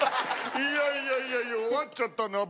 いやいやいやいや弱っちゃったな。